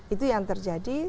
itu yang terjadi